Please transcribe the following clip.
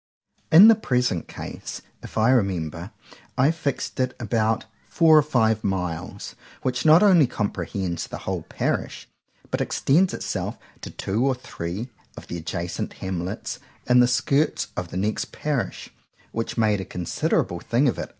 In the present case, if I remember, I fixed it about four or five miles, which not only comprehended the whole parish, but extended itself to two or three of the adjacent hamlets in the skirts of the next parish; which made a considerable thing of it.